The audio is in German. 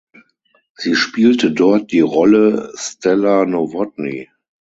Sie spielte dort die Rolle „Stella Nowotny“.